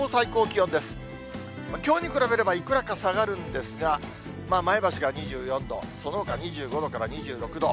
きょうに比べれば、いくらか下がるんですが、前橋が２４度、そのほか２５度から２６度。